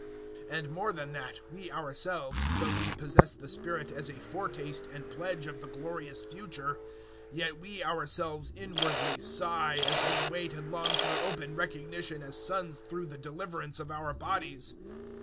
008:023 And more than that, we ourselves, though we possess the Spirit as a foretaste and pledge of the glorious future, yet we ourselves inwardly sigh, as we wait and long for open recognition as sons through the deliverance of our bodies.